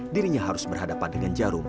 dirinya harus berhadapan dengan jarum